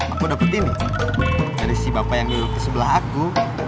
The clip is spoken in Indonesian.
aku dapat ini dari si bapak yang di sebelah aku